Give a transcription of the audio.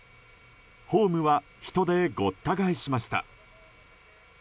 ホームは人でごった返しました。